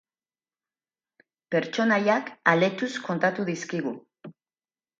Pertsonaiak aletuz kontatu dizkigu.